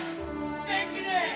・元気です！